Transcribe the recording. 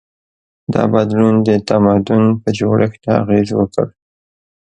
دا بدلون د تمدن په جوړښت اغېز وکړ.